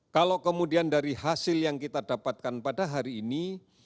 kalau kemudian dari hasil yang kita dapatkan pada hari ini